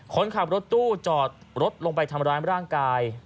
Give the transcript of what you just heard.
คนขับรถตู้จอดรถลงไปทำร้ายร่างกาย